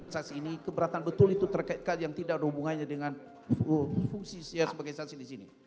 saksi ini keberatan betul itu terkait yang tidak ada hubungannya dengan fungsi saya sebagai saksi di sini